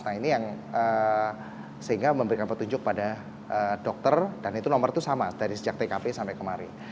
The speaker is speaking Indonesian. nah ini yang sehingga memberikan petunjuk pada dokter dan itu nomor itu sama dari sejak tkp sampai kemari